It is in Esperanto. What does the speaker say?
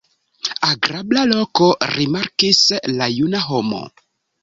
Agrabla loko, rimarkis la juna homo.